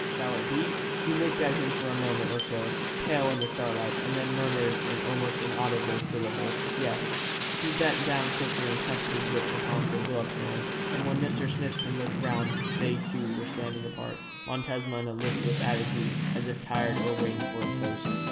Shall it be?' She looked at him for a moment or so, pale in the starlight, and then murmured an almost inaudible syllable. 'Yes.' He bent quickly and pressed his lips upon her gloved hand, and when Mr. Smithson looked round they two were standing apart, Montesma in a listless attitude, as if tired of waiting for his host.